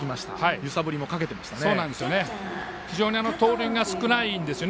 揺さぶりもかけてましたね。